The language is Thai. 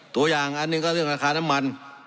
ตัวอย่างอันหนึ่งก็เรื่องราคาน้ำมัน